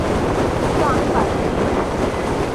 কিন্তু আমি পারি।